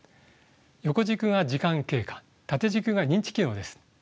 横軸が時間経過縦軸が認知機能です。